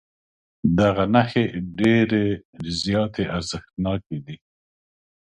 دغه نښې ډېرې زیاتې ارزښتناکې دي.